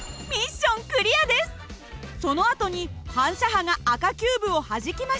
そのあとに反射波が赤キューブをはじきました。